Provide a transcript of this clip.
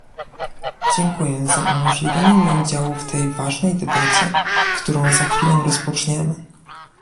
Dziękuję za umożliwienie mi udziału w tej ważnej debacie, którą za chwilę rozpoczniemy